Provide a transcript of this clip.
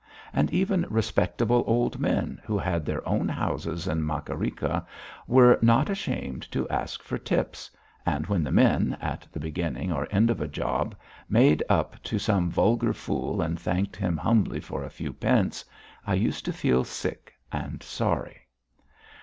And even respectable old men who had their own houses in Makarikha were not ashamed to ask for tips, and when the men, at the beginning or end of a job, made up to some vulgar fool and thanked him humbly for a few pence, I used to feel sick and sorry.